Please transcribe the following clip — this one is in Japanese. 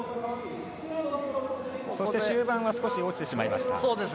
そして、終盤は少し落ちてしまいました。